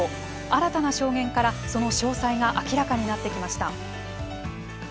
新たな証言からその詳細が明らかになってきました。